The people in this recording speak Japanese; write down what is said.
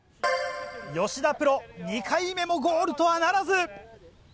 吉田プロ２回目もゴールとはならず。